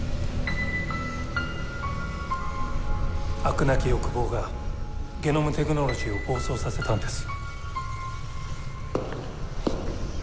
飽くなき欲望がゲノムテクノロジーを暴走させたんです。